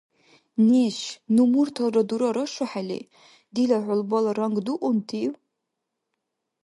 – Неш, ну мурталра дура рашухӀели, дила хӀулбала ранг дуунтив?